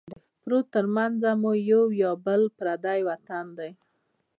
پروت ترمنځه مو یو یا بل پردی وطن دی